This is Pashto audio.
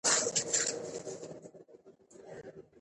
ژوند تر دې ډېر لنډ دئ، چي کوچني او بې اهمیت وګڼل سئ.